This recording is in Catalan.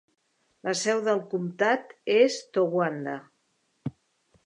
La seu del comtat és Towanda.